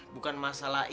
bukan masalah itu